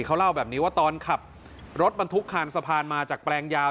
เขาเล่าแบบนี้ว่าตอนขับรถบรรทุกคานสะพานมาจากแปลงยาว